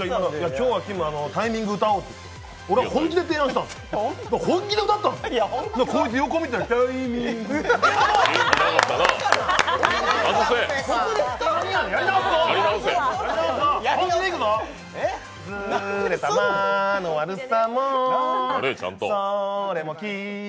今日は「タイミング Ｔｉｍｉｎｇ」歌おうって、俺は本気で提案したんです、俺は本気で歌ったんです、こいつ横見たら、タイミングって。